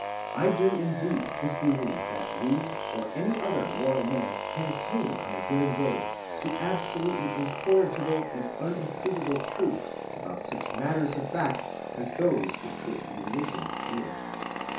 I do indeed disbelieve that we or any other mortal men can attain on a given day to absolutely incorrigible and unimprovable truth about such matters of fact as those with which religions deal.